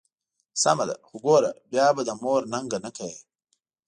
سمه ده، خو ګوره بیا به د مور ننګه نه کوې.